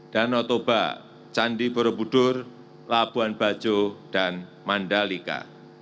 danau toba candi borobudur labuan bajo dan mandalika